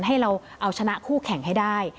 ให้เราเอาชนะคู่แข่งให้ได้